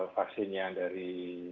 vaksin yang dari